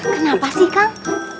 kenapa sih kang